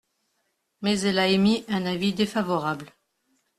Mais elle a émis un avis défavorable.